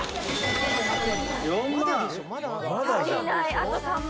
あと３万。